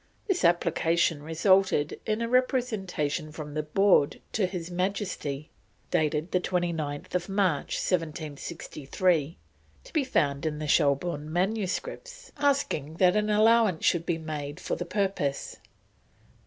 This application resulted in a Representation from the Board to His Majesty, dated 29th March 1763, to be found in the Shelbourne manuscripts, asking that an allowance should be made for the purpose.